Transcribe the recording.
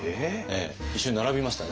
一緒に並びましたね。